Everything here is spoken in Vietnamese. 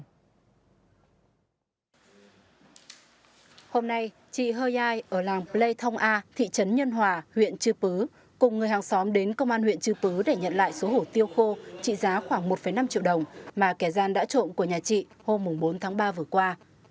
hôm nay chị hơ giai ở làng plei thong a thị trấn nhân hòa huyện chư pứ cùng người hàng xóm đến công an huyện chư pứ để nhận lại số hổ tiêu khô trị giá khoảng một năm triệu đồng mà kẻ gian đã trộm của nhà chị hôm bốn tháng ba vừa qua